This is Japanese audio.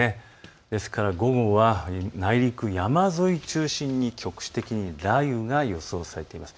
ですから午後は内陸、山沿いを中心に局地的に雷雨が予想されています。